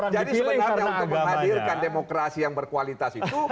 jadi sebenarnya untuk menghadirkan demokrasi yang berkualitas itu